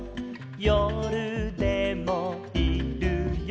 「よるでもいるよ」